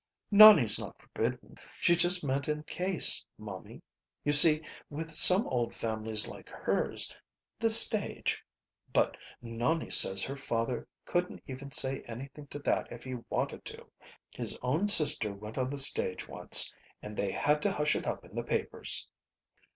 "Nonie's not forbidden. She just meant in case, momie. You see, with some old families like hers the stage but Nonie says her father couldn't even say anything to that if he wanted to. His own sister went on the stage once, and they had to hush it up in the papers."